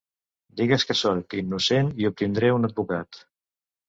Digues que soc innocent i obtindré un advocat.